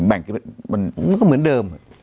มันก็เหมือนเดิม